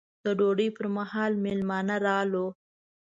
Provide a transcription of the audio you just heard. د ډوډۍ پر مهال مېلمانه راولو.